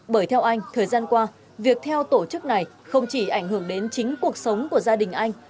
bởi theo anh thời gian qua việc theo tổ chức này không chỉ ảnh hưởng đến chính cuộc sống của gia đình anh